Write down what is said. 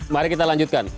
mari kita lanjutkan